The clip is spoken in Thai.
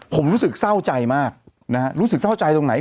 ผมรู้สึกเศร้าใจมากนะฮะรู้สึกเศร้าใจตรงไหน